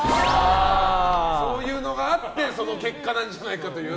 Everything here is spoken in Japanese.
そういうのがあってその結果なんじゃないかという。